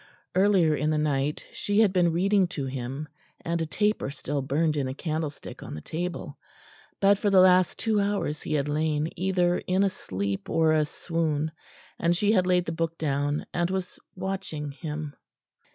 Earlier in the night she had been reading to him, and a taper still burned in a candlestick on the table; but for the last two hours he had lain either in a sleep or a swoon, and she had laid the book down and was watching him.